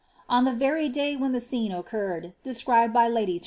On the very day when the scene occurred, described by lady T3!